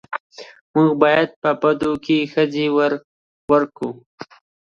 موږ په بدو کې ښځې ورکوو